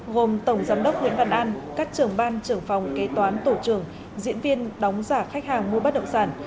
gồm tổng giám đốc nguyễn văn an các trưởng ban trưởng phòng kế toán tổ trưởng diễn viên đóng giả khách hàng mua bất động sản